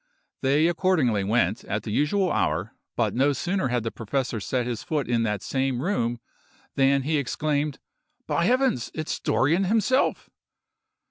They accordingly went at the usual hour, but no sooner had the professor set his foot in that same room, than he exclaimed, "By Heavens! it is Dorrien himself!"